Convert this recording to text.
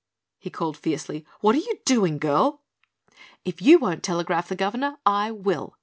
he called fiercely. "What are you doing, girl?" "If you won't telegraph the governor, I will!"